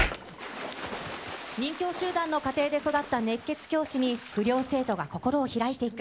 任きょう集団の家庭で育った熱血教師に、不良生徒が心を開いていく。